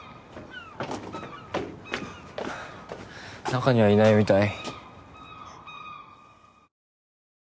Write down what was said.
中にはいないみたい。